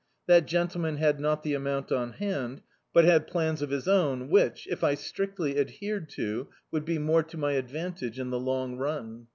That gwitleman had not the amount on hand, but had plans of his own which, if I strictly adhered to, would be more to my advantage in the long run.